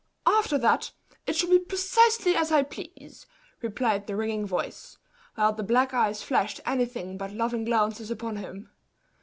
"After that, it shall be precisely as I please!" replied the ringing voice; while the black eyes flashed anything but loving glances upon him.